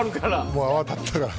もう泡立ったから。